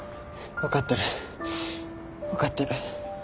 分かってる分かってる。